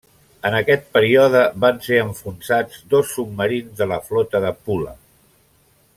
En aquest període van ser enfonsats dos submarins de la Flota de Pula.